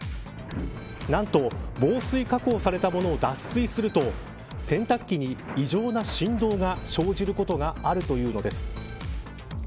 なんと、防水加工されたものを脱水すると洗濯機に異常な振動が生じることがあるというのです。